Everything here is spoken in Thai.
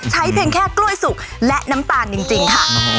เพียงแค่กล้วยสุกและน้ำตาลจริงค่ะ